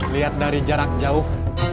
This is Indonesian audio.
liat dari jarak jauh